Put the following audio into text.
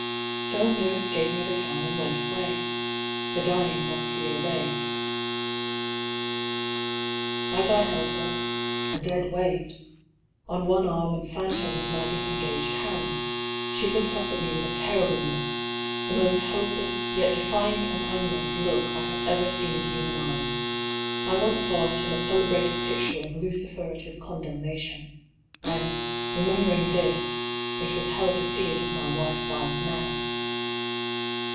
So Nurse gave me the fan and went away. The dying must be obeyed. As I held her — ^a dead weight — on one arm and fanned her with my disengaged hand, she looked up at me with a terrible look — the most hopeless, yet defiant and angered, look I have ever seen in human eyes. I once saw it in a celebrated picture of " Lucifer at His Condemnation," and, remembering this, it yfda hell to see it in my wife's eyes now.